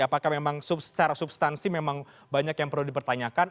apakah memang secara substansi memang banyak yang perlu dipertanyakan